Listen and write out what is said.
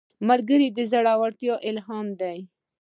ملګری د زړورتیا الهام دی